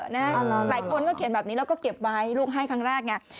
หลายคนก็เขียนแบบนี้แล้วก็เก็บไว้ลูกให้ครั้งแรกไง